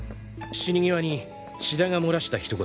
死に際に志田が漏らした一言